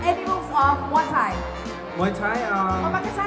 มันเป็นแบบที่สุดท้ายก็คือ